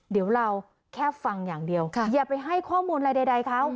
เดี๋ยวเราแค่ฟังอย่างเดียวอย่าไปให้ข้อมูลอะไรใดเขา